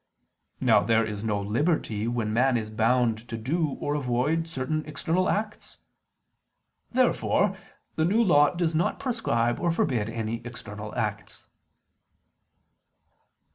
Now there is no liberty when man is bound to do or avoid certain external acts. Therefore the New Law does not prescribe or forbid any external acts.